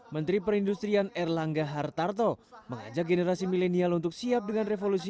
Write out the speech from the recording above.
menteri perindustrian erlangga hartarto mengajak generasi milenial untuk siap dengan revolusi